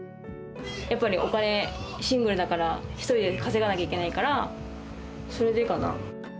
やっぱりお金、シングルだから、一人で稼がなきゃいけないから、それでかな。